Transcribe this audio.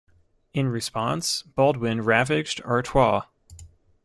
In response Baldwin ravaged Artois.